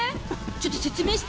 ちょっと説明して？